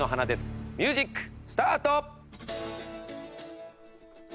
ミュージックスタート！